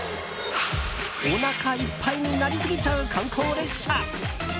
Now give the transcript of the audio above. おなかいっぱいになりすぎちゃう観光列車。